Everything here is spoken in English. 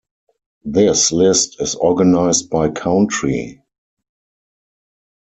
This list is organized by country.